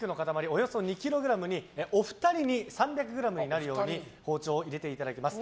およそ２ｋｇにお二人に３００ｇになるように包丁を入れていただきます。